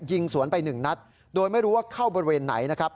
ยิงสวนไปหนึ่งนัดโดยไม่รู้ว่าเข้าบริเวณไหนนะครับ